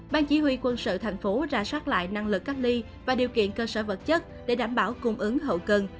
bàn chỉ huy quân sự thành phố rã soát lại năng lực cách ly và điều kiện cơ sở vật chất để đảm bảo cung ứng hậu cân